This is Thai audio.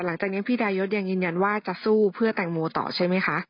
หลังจากนี้พี่ดายศยังยืนยันว่าจะสู้เพื่อแตงโมต่อใช่ไหมคะ